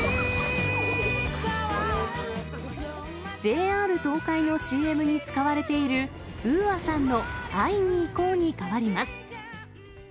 ＪＲ東海のＣＭに使われている、ＵＡさんの会いにいこうに変わります。